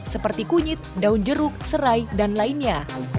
seperti kunyit daun jeruk serai dan lainnya